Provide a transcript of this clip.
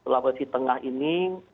labuan sitinggah ini